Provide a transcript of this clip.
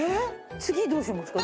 次どうしますか？